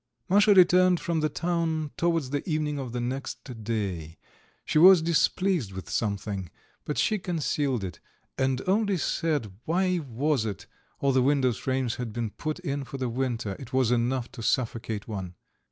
Masha returned from the town towards the evening of the next day. She was displeased with something, but she concealed it, and only said, why was it all the window frames had been put in for the winter it was enough to suffocate one.